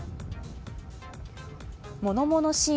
ものものしい